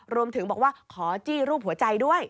รวมถึงบอกว่าขอจี้รูปหัวใจด้วย